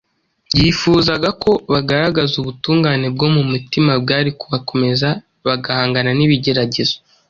Yifuzaga ko bagaragaza ubutungane bwo mu mutima bwari kubakomeza bagahangana n’ibigeragezo.